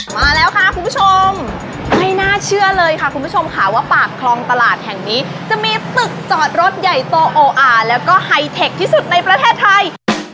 มาแล้วค่ะคุณผู้ชมไม่น่าเชื่อเลยค่ะคุณผู้ชมค่ะว่าปากคลองตลาดแห่งนี้จะมีตึกจอดรถใหญ่โตโออาร์แล้วก็ไฮเทคที่สุดในประเทศไทย